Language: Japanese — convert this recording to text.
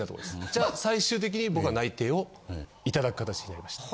じゃあ最終的に僕は内定をいただく形になりました。